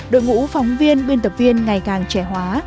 đội ngũ phóng viên biên tập viên ngày càng trẻ hóa